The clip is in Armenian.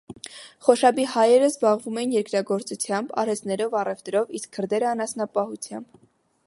Խոշաբի հայերն զբաղվում էին երկրագործությամբ, արհեստներով, առևտրով, իսկ քրդերը՝ անասնապահությամբ։